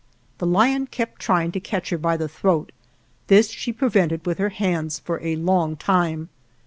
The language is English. The lion kept trying to catch her by the throat; this she prevented with her hands for a long time.